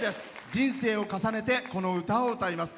人生を重ねてこの歌を歌います。